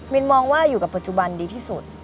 นมองว่าอยู่กับปัจจุบันดีที่สุด